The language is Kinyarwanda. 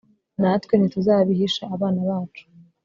natwe ntituzabihisha abana bacu